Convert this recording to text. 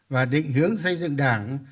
và định hướng xây dựng đảng